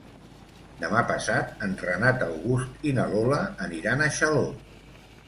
Demà passat en Renat August i na Lola aniran a Xaló.